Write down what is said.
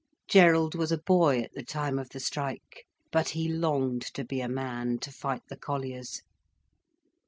Gerald was a boy at the time of the strike, but he longed to be a man, to fight the colliers.